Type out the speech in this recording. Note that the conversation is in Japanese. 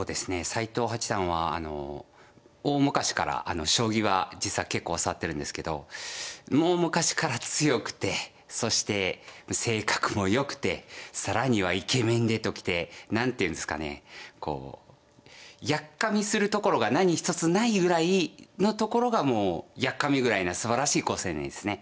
斎藤八段はあの大昔から将棋は実は結構教わってるんですけどもう昔から強くてそして性格もよくて更にはイケメンでときて何ていうんですかねこうやっかみするところが何一つないぐらいのところがもうやっかみぐらいなすばらしい好青年ですね。